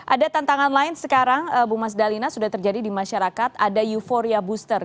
ada tantangan lain sekarang bu mas dalina sudah terjadi di masyarakat ada euforia booster